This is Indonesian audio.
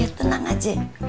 udah tenang aja